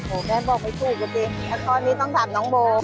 โอ้แม่บอกไม่ถูกกว่าดีแล้วก็นี่ต้องจากน้องโบ